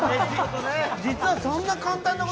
実はそんな簡単な事。